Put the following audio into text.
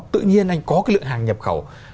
tự nhiên anh có cái lượng hàng nhập khẩu